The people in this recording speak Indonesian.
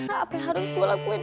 apa yang harus gue lakuin